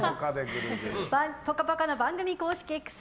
「ぽかぽか」の番組公式Ｘ